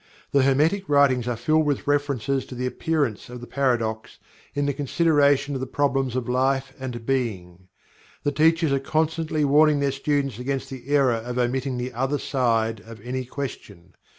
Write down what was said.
The Hermetic writings are filled with references to the appearance of the Paradox in the consideration of the problems of Life and Being. The Teachers are constantly warning their students against the error of omitting the "other side" of any question.